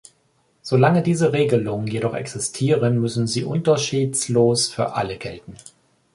Solange diese Regelungen jedoch existieren, müssen sie unterschiedslos für alle gelten.